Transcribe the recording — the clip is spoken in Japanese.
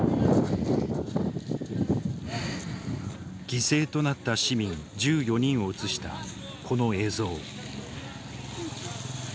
犠牲となった市民１４人を写したこの映像。